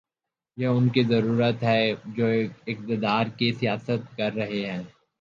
یہ ان کی ضرورت ہے جو اقتدار کی سیاست کر رہے ہیں۔